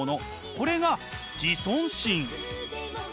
これが自尊心。